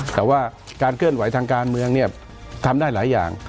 แต่ว่าการเคลื่อนไหวทางการเมืองเนี่ยทำได้หลายอย่าง